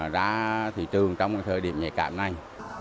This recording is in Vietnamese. ra thị trường trong thời điểm nhạy cảm này